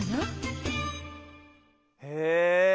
へえ。